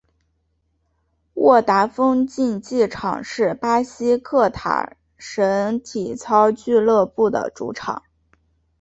沃达丰竞技场是贝西克塔什体操俱乐部的主场。